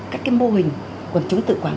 các cái mô hình quần chống tự quản